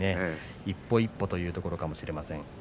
一歩一歩というところかもありません。